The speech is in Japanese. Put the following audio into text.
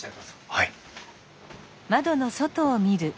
はい。